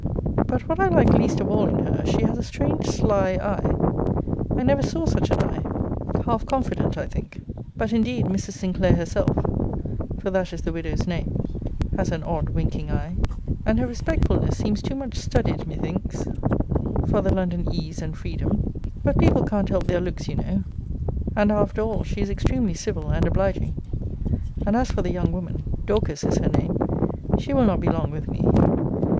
But what I like least of all in her, she has a strange sly eye. I never saw such an eye; half confident, I think. But indeed Mrs. Sinclair herself, (for that is the widow's name,) has an odd winking eye; and her respectfulness seems too much studied, methinks, for the London ease and freedom. But people can't help their looks, you know; and after all she is extremely civil and obliging, and as for the young woman, (Dorcas is her name,) she will not be long with me.